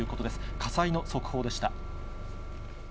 火災の速報でした。